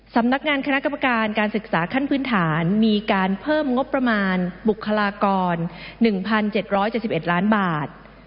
สำนักงานคณะกรรมการการศึกษาขั้นพื้นฐานมีการเพิ่มงบประมาณบุคลากร๑๗๗๑ล้านบาท